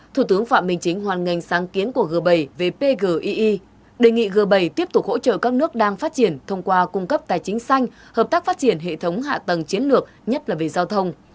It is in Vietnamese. thủ tướng phạm minh chính hoàn ngành sáng kiến của g bảy về pgi đề nghị g bảy tiếp tục hỗ trợ các nước đang phát triển thông qua cung cấp tài chính xanh hợp tác phát triển hệ thống hạ tầng chiến lược nhất là về giao thông